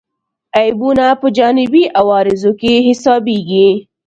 عیبونه په جانبي عوارضو کې حسابېږي.